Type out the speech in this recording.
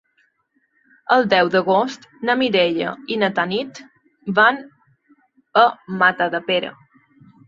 El deu d'agost na Mireia i na Tanit van a Matadepera.